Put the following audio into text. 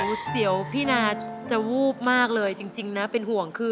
โอ้โหเสียวพี่นาจะวูบมากเลยจริงนะเป็นห่วงคือ